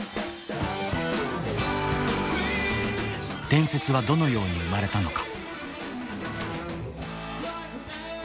伝説はどのように生まれたのか。